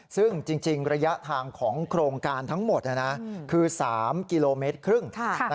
ซึ่งจริงระยะทางของโครงการทั้งหมดคือ๓กิโลเมตรครึ่ง